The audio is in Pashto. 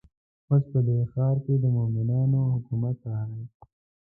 اوس په دې ښار کې د مؤمنانو حکومت راغلی.